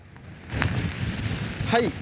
はい。